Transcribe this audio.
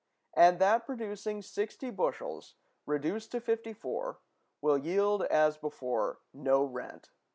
and that producing 60 bushels, reduced to 54, will yield, as before, no rent.